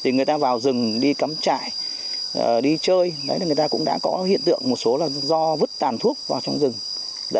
người ta vào rừng đi cắm chạy đi chơi người ta cũng đã có hiện tượng